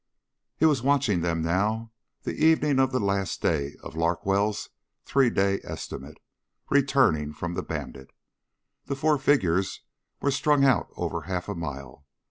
He was watching them now the evening of the last day of Larkwell's three day estimate returning from the Bandit. The four figures were strung out over half a mile.